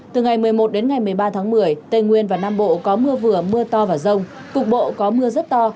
từ ngày một mươi một đến ngày một mươi ba tháng một mươi tây nguyên và nam bộ có mưa vừa mưa to và rông cục bộ có mưa rất to